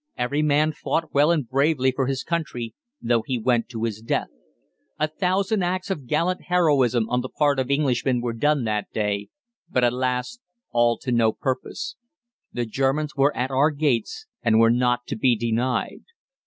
Every man fought well and bravely for his country, though he went to his death. A thousand acts of gallant heroism on the part of Englishmen were done that day, but alas! all to no purpose. The Germans were at our gates, and were not to be denied.